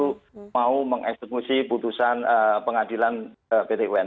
saya juga mau mengeksekusi putusan pengadilan pt un